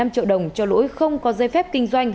hai mươi hai năm triệu đồng cho lỗi không có dây phép kinh doanh